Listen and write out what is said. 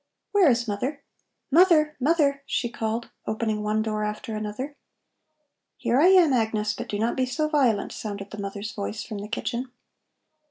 "Where is mother? Mother, mother!" she called, opening one door after another. "Here I am, Agnes, but do not be so violent," sounded the mother's voice from the kitchen.